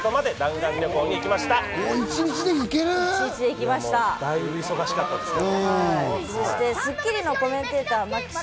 だいぶ忙しかったですけど。